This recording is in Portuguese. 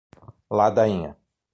Ladainha